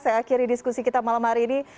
saya akhiri diskusi kita malam hari ini